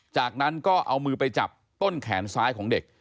จากนั้นก็เอามือไปจับต้นแขนซ้ายของเด็ก